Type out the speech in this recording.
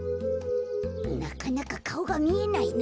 なかなかかおがみえないな。